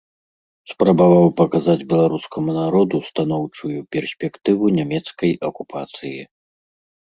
Спрабаваў паказаць беларускаму народу станоўчую перспектыву нямецкай акупацыі.